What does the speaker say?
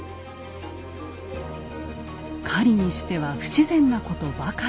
狩りにしては不自然なことばかり。